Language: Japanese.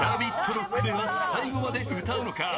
ＲＯＣＫでは最後まで歌うのか。